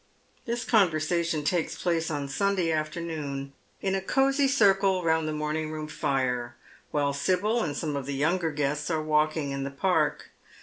This conversation takes place on Sunday afternoon, in a cosy circle round the morning room fire, while Sibyl and some of the younger guests are walking in the park.